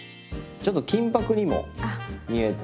ちょっと金ぱくにも見えて。